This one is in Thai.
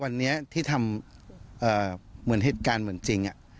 วันนี้ที่ทำเหมือนเหตุการณ์เหมือนจริง